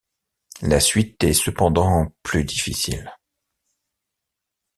La suite est cependant plus difficile.